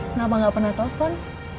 kenapa nggak pernah telepon